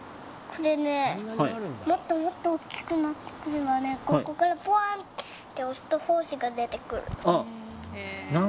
これね、もっともっと大きくなってきたらここからぽわんって胞子が出てくる。